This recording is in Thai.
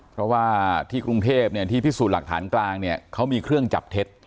เพราะว่าที่กรุงเทพที่พิสูจน์หลักฐานกลางเนี่ยเขามีเครื่องจับเท็จ